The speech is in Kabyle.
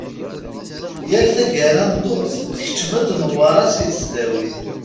Yal taggara n ddurt, tkeččem-d Newwara si tesdawit.